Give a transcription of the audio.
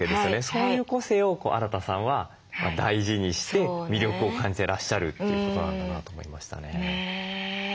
そういう個性をアラタさんは大事にして魅力を感じてらっしゃるってことなんだなと思いましたね。